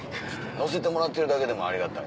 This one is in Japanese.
乗せてもらってるだけでもありがたい。